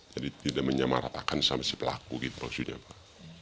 jadi tidak menyamaratakan sama si pelaku gitu maksudnya pak